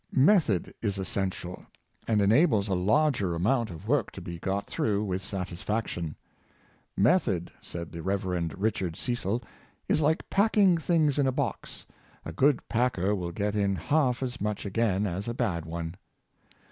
Method is essential, and enables a larger amount of work to be got through with satisfaction. " Method," said the Rev. Richard Cecil, " is like packing things in a box; a good packer will get in half as much again as a bad one."